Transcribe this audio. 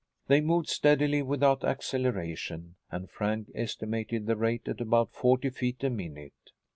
They moved steadily, without acceleration, and Frank estimated the rate at about forty feet a minute.